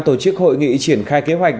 tổ chức hội nghị triển khai kế hoạch